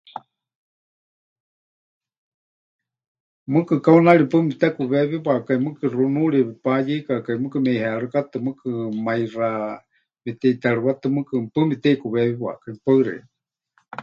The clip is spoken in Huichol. Mɨɨkɨ kaunari paɨ mepɨtekuweewiwakai, mɨɨkɨ xunuuri payeikakai, mɨɨkɨ meʼiherɨkatɨ, mɨɨkɨ maíxa meteʼiterɨwátɨ mɨɨkɨ, paɨ mepɨteʼikuweewiwakai. Paɨ xeikɨ́a.